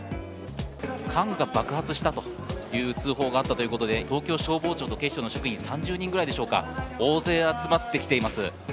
缶が爆発したという通報があったということで東京消防庁と警視庁の職員３０人ほどでしょうか、大勢集まってきています。